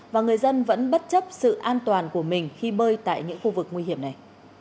và người dân vẫn bất chấp sự an toàn của mình khi bơi tại những khu vực nguy hiểm này